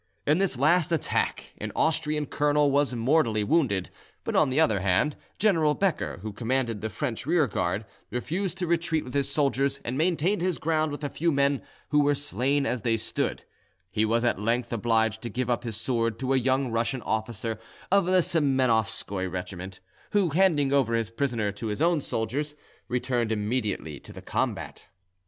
In this last attack an Austrian colonel was mortally wounded, but, on the other hand, General Beker, who commanded the French rearguard, refused to retreat with his soldiers, and maintained his ground with a few men, who were slain as they stood; he was at length obliged to give up his sword to a young Russian officer of the Semenofskoi regiment, who, handing over his prisoner to his own soldiers, returned immediately to the combat.